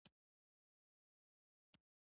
په تدریجي ډول په کارخانو کې د کار وېش رامنځته شو